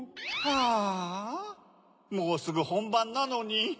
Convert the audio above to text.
はぁもうすぐほんばんなのに。